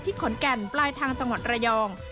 ขอนแก่นปลายทางจังหวัดระยอง